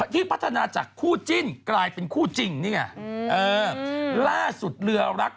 ที่พัฒนาจากคู่จิ้นกลายเป็นคู่จริงนี่ไงเออล่าสุดเรือรัก